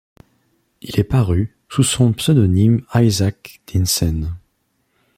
Il est paru sous son pseudonyme Isak Dinesen.